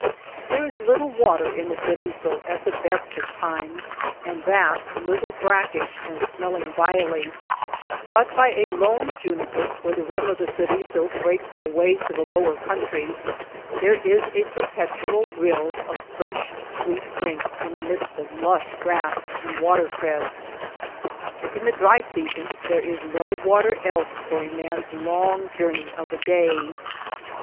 There is little water in the Ceriso at the best of times, and that little brackish and 26 WATER TRAILS OF THE CERISO smelling vilely, but by a lone juniper where the rim of the Ceriso breaks away to the lower country, there is a perpetual rill of fresh sweet drink in the midst of lush grass and watercress. In the dry season there is no water else for a man s long journey of a day.